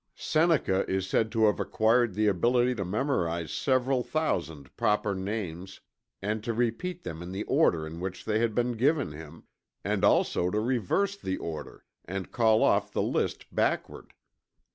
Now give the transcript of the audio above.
Seneca is said to have acquired the ability to memorize several thousand proper names, and to repeat them in the order in which they had been given him, and also to reverse the order and call off the list backward.